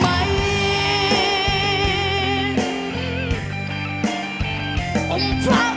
เคยนับปะไหม